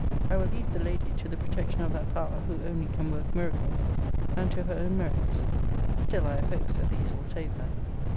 I will leave the lady to the protection of that Power who only can work miracles; and to her own merits. Still I have hopes that these will save her.